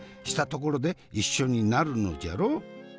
したところで一緒になるのじゃろう？